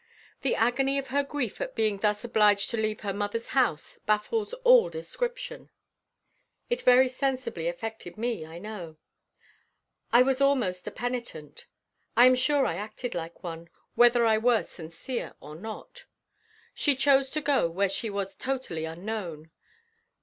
The agony of her grief at being thus obliged to leave her mother's house baffles all description. It very sensibly affected me, I know. I was almost a penitent. I am sure I acted like one, whether I were sincere or not. She chose to go where she was totally unknown.